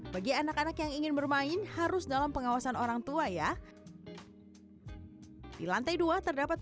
bagi anak anak yang ingin bermain harus dalam pengawasan orang tua ya di lantai dua terdapat